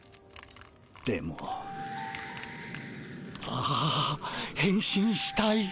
でもあへん身したい。